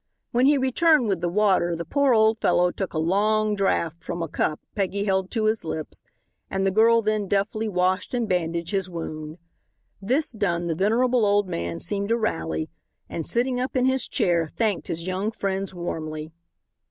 When he returned with the water the poor old fellow took a long draught from a cup Peggy held to his lips and the girl then deftly washed and bandaged his wound. This done the venerable old man seemed to rally, and sitting up in his chair thanked his young friends warmly.